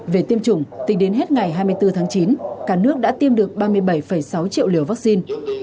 về tiêm chủng tính đến hết ngày hai mươi bốn tháng chín cả nước đã tiêm được ba mươi bảy sáu triệu liều vaccine